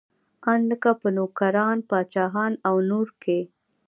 ان لکه په نوکران، پاچاهان او نور کې.